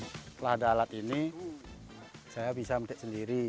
setelah ada alat ini saya bisa metik sendiri